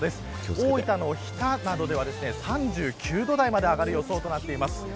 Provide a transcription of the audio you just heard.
大分の日田などでは３９度台まで上がる予想となっています。